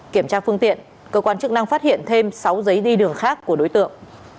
kiểm tra phương tiện cơ quan chức năng phát hiện thêm sáu giấy đi đường khác của đối tượng